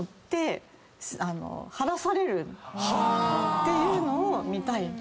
⁉ていうのを見たい。